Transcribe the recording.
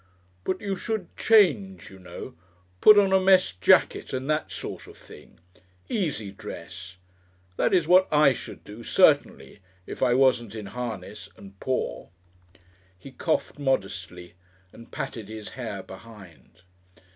But you should change, you know. Put on a mess jacket and that sort of thing easy dress. That is what I should do, certainly, if I wasn't in harness and poor." He coughed modestly and patted his hair behind.